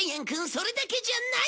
それだけじゃない！